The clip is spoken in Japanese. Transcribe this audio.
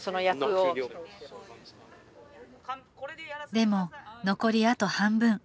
でも残りあと半分。